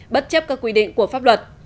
bất chấp các quy định của pháp luật